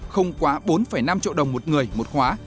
không quá bốn năm triệu đồng một người một khóa